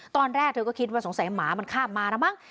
ตอนแรกเธอก็คิดว่าสงสัยหมามันข้ามมาแล้วมั้ง